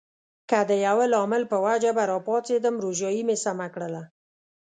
که د یوه لامل په وجه به راپاڅېدم، روژایې مې سمه کړله.